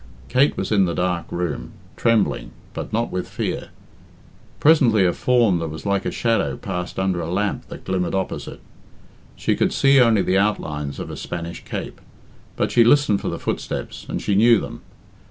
Kate was in the dark room, trembling, but not with fear. Presently a form that was like a shadow passed under a lamp that glimmered opposite. She could see only the outlines of a Spanish cape. But she listened for the footsteps, and she knew them.